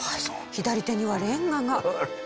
左手にはレンガが。